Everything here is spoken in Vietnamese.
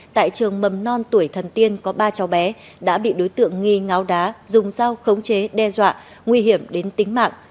tại trường mầm non tuổi thần tiên có ba cháu bé đã bị đối tượng nghi ngáo đá dùng dao khống chế đe dọa nguy hiểm đến tính mạng